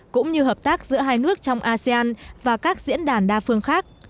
cũng như hợp tác giữa hai nước trong asean và các diễn đàn đa phương khác